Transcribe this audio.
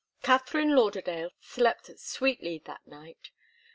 Katharine Lauderdale slept sweetly that night.